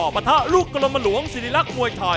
ปะทะลูกกรมหลวงศิริรักษ์มวยไทย